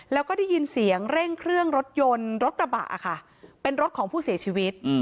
แล้วก็ได้ยินเสียงเร่งเครื่องรถยนต์รถกระบะค่ะเป็นรถของผู้เสียชีวิต